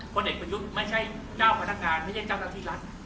พอเด็กพยุทธไม่ใช่เจ้าพนักงานไม่ใช่เจ้าทางที่รัฐ